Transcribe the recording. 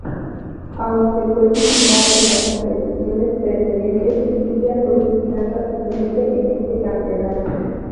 Aunque fue titular en las competiciones precedentes, Lidia fue gimnasta suplente en este campeonato.